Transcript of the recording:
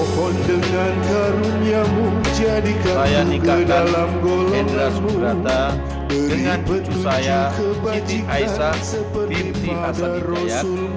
saya nikahkan endra sudirata dengan cucu saya siti aisyah binti hassan idayat